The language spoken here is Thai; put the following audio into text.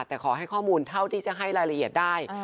แต่ขอให้ข้อมูลเท่าที่จะให้รายละเอียดได้